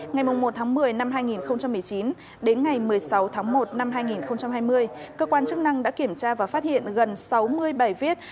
ngày một tháng một mươi năm hai nghìn một mươi chín đến ngày một mươi sáu tháng một năm hai nghìn hai mươi cơ quan chức năng đã kiểm tra và phát hiện gần sáu mươi bài viết